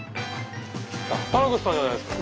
原口さんじゃないですか。